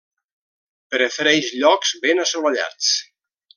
Prefereix llocs ben assolellats.